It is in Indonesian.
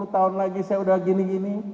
dua puluh tahun lagi saya udah gini gini